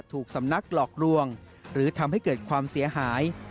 ถูกสำนักหลอกลวงหรือทำให้เกิดความเสียหาย